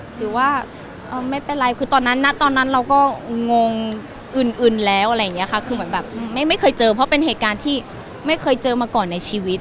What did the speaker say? หรือว่าไม่เป็นไรคือตอนนั้นนะตอนนั้นเราก็งงอื่นแล้วอะไรอย่างนี้ค่ะคือเหมือนแบบไม่เคยเจอเพราะเป็นเหตุการณ์ที่ไม่เคยเจอมาก่อนในชีวิต